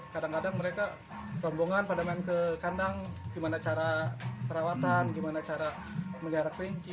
kadang kadang mereka rombongan pada main ke kandang gimana cara perawatan gimana cara melihara kelinci